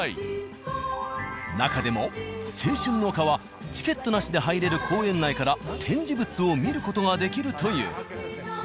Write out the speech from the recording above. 中でも青春の丘はチケットなしで入れる公園内から展示物を見る事ができるという。